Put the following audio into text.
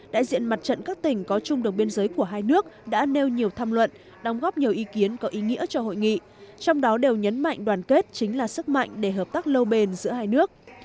đại diện mặt trận các tỉnh có chung đường biên giới của hai nước đã nêu nhiều tham luận đóng góp nhiều ý kiến có ý nghĩa cho hội nghị trong đó đều nhấn mạnh đoàn kết chính là sức mạnh để hợp tác lâu bền giữa hai nước